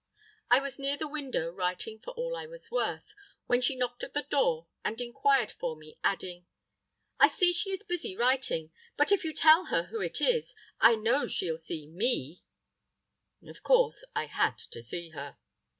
I was near the window writing for all I was worth, when she knocked at the door and inquired for me, adding, "I see she is busy writing, but if you tell her who it is, I know she'll see me." Of course I had to see her.